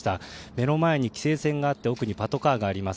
目の前に規制線があって奥にパトカーがあります。